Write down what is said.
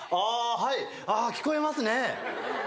はいああ聞こえますね